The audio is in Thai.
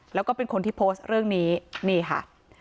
แล้วก็เป็นคนที่โพสต์เรื่องนี้นี่ค่ะ